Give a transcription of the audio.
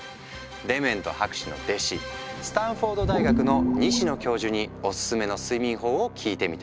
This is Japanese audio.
デメント博士の弟子スタンフォード大学の西野教授におすすめの睡眠法を聞いてみた。